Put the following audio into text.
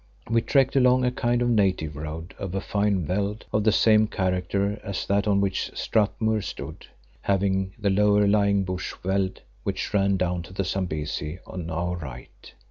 We trekked along a kind of native road over fine veld of the same character as that on which Strathmuir stood, having the lower lying bush veld which ran down to the Zambesi on our right.